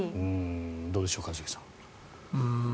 どうでしょう、一茂さん。